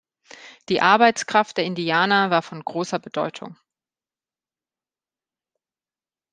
Die Arbeitskraft der Indianer war von großer Bedeutung.